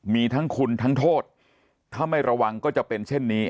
มีทั้งคุณทั้งโทษถ้าไม่ระวังก็จะเป็นเช่นนี้